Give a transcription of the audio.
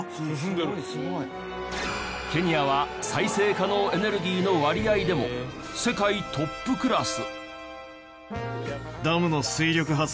「すごいすごい」ケニアは再生可能エネルギーの割合でも世界トップクラス。